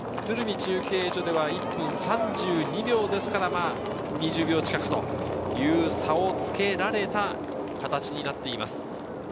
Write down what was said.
中継所では１分３２秒ですから、２０秒近くという差をつけられた形になっています。